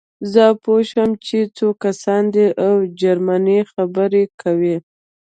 زه پوه شوم چې څو کسان دي او جرمني خبرې کوي